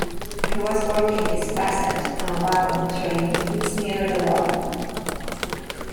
He was working his passage on a wagon train which near the Rock.